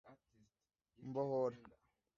Mbohora